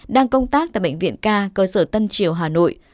đang công tác tại bệnh viện ca cơ sở tân triều hà nội